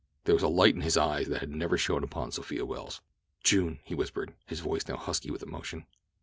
There was a light in his eyes that had never shone upon Sophia Welles. "June!" he whispered, his voice now husky with emotion.